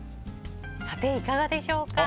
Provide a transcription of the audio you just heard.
いかがでしょうか。